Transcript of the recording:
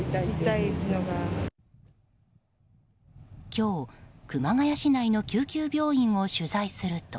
今日、熊谷市内の救急病院を取材すると。